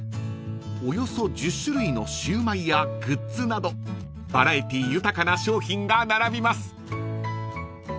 およそ１０種類のシューマイやグッズなどバラエティー豊かな商品が並びます］